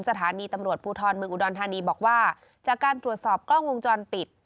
สถานีตำรวจภูทรเมืองอุดรธานีบอกว่าจากการตรวจสอบกล้องวงจรปิด